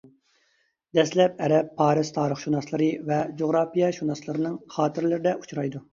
دەسلەپ ئەرەب، پارس تارىخشۇناسلىرى ۋە جۇغراپىيەشۇناسلىرىنىڭ خاتىرىلىرىدە ئۇچرايدۇ.